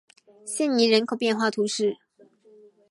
谢涅人口变化图示